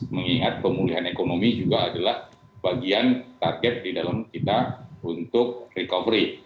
mengingat pemulihan ekonomi juga adalah bagian target di dalam kita untuk recovery